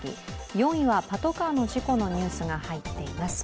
４位はパトカーの事故のニュースが入っています。